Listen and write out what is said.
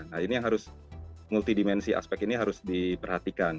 nah ini yang harus multidimensi aspek ini harus diperhatikan